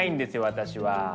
私は。